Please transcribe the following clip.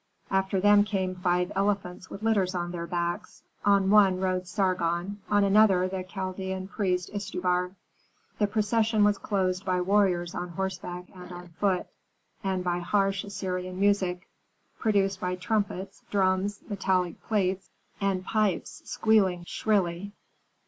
After them came five elephants with litters on their backs; on one rode Sargon, on another the Chaldean priest Istubar. The procession was closed by warriors on horseback and on foot, and by harsh Assyrian music, produced by trumpets, drums, metallic plates, and pipes squealing shrilly.